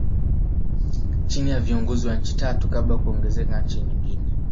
Chini ya viongozi wa nchi tatu kabla ya kuongezeka nchi nyingine